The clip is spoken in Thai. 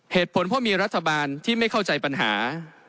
เหตุผลเพราะมีรัฐบาลที่ไม่เข้าใจปัญหา